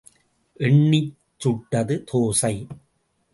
எண்ணிச் சுட்டது தேசை.